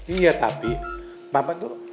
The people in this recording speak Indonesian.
iya tapi papa tuh